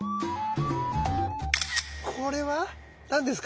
これは何ですか？